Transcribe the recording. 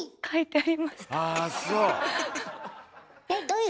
ああそう！